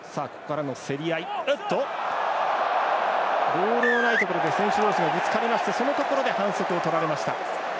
ボールのないところで選手同士がぶつかりましてそのところで反則をとられました。